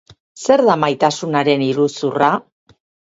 Zer da maitasunaren iruzurra?